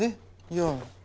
いや。